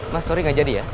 mas sorry gak jadi ya